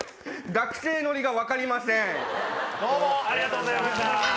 学生ノリが分かりません。